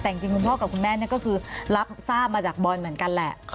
แต่จริงคุณพ่อกับคุณแม่นี่ก็คือรับทราบมาจากบอลเหมือนกันแหละ